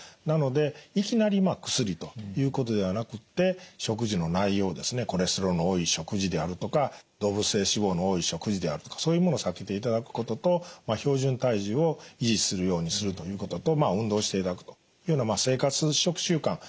なのでいきなり薬ということではなくって食事の内容ですねコレステロールの多い食事であるとか動物性脂肪の多い食事であるとかそういうものを避けていただくことと標準体重を維持するようにするということと運動していただくというような生活食習慣